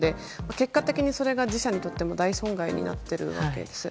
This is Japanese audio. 結果的にそれが自社にとっても大損害になっているわけです。